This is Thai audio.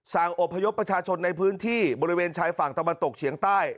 อบพยพประชาชนในพื้นที่บริเวณชายฝั่งตะวันตกเฉียงใต้